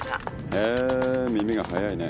へえ耳が早いね。